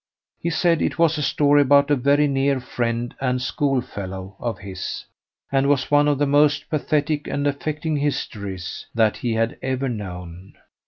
He said it was a story about a very near friend and schoolfellow of his, and was one of the most pathetic and affecting histories that he had ever known.